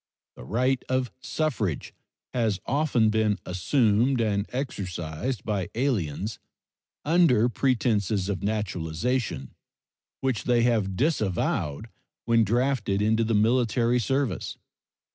The right of suffrage has often been assumed and exercised by aliens under pretenses of naturalization, which they have disavowed when drafted into the military service.